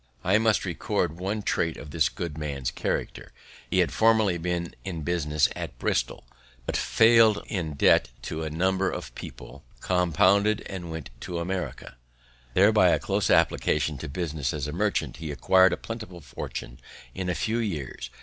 I must record one trait of this good man's character. He had formerly been in business at Bristol, but failed in debt to a number of people, compounded and went to America. There, by a close application to business as a merchant, he acquired a plentiful fortune in a few years.